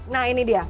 nah ini dia